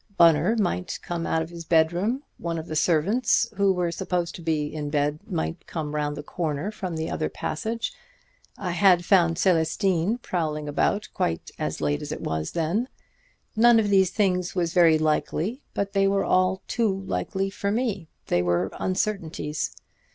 Bunner might come out of his bedroom. One of the servants who were supposed to be in bed might come round the corner from the other passage I had found Célestine prowling about quite as late as it was then. None of these things was very likely; but they were all too likely for me. They were uncertainties.